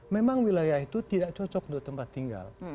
memang wilayah itu tidak cocok untuk tempat tinggal